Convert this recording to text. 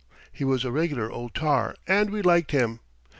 He was a regular old tar, and we liked him.